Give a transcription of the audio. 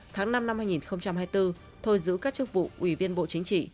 tháng năm năm hai nghìn hai mươi bốn thôi giữ các chức vụ ủy viên bộ chính trị